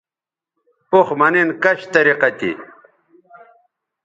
اوخ مہ نِن کش طریقہ تھی